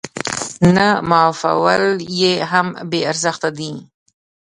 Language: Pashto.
نه معافول يې هم بې ارزښته دي.